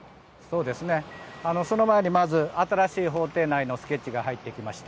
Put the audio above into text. その前にまず新しい法廷内のスケッチが入ってきました。